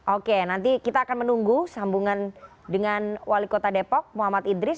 oke nanti kita akan menunggu sambungan dengan wali kota depok muhammad idris